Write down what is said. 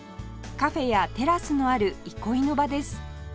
カフェやテラスのある憩いの場です